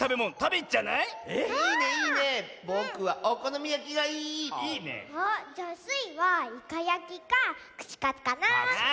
あっじゃあスイはいかやきかくしカツかなあ。